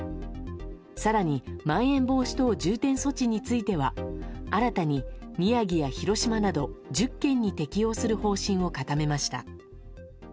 更にまん延防止等重点措置については新たに宮城や広島など１０県に適用する方針を固めました。